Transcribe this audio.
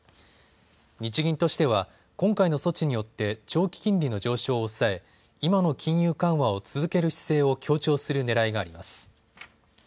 日銀としては今回の措置によって長期金利の上昇を抑え今の金融緩和を続ける姿勢を強調するねらいがあります。